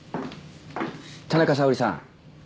田中沙織さん。